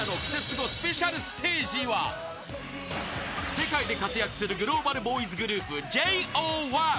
［世界で活躍するグローバルボーイズグループＪＯ１］